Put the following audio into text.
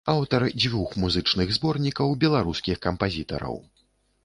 Аўтар дзвюх музычных зборнікаў беларускіх кампазітараў.